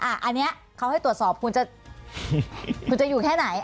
อันนี้เขาให้ตรวจสอบคุณจะคุณจะอยู่แค่ไหน